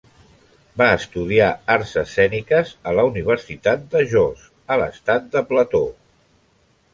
Va estudiar arts escèniques a la Universitat de Jos, a l'estat de Plateau.